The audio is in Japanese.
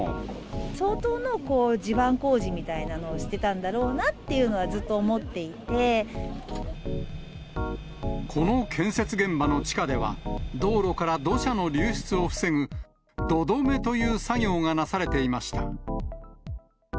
相当な地盤工事みたいなのをしてたんだろうなっていうのは、この建設現場の地下では、道路から土砂の流出を防ぐ、土留めという作業がなされていました。